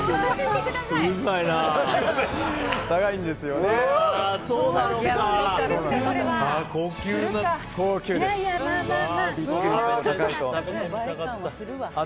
うるさいなあ。